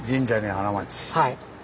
はい。